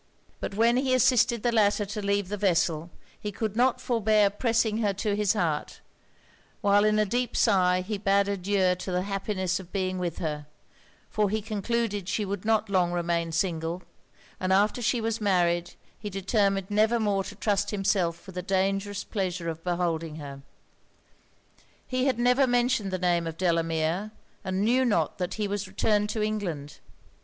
But when he assisted the latter to leave the vessel, he could not forbear pressing her to his heart, while in a deep sigh he bade adieu to the happiness of being with her; for he concluded she would not long remain single, and after she was married he determined never more to trust himself with the dangerous pleasure of beholding her. He had never mentioned the name of Delamere; and knew not that he was returned to England.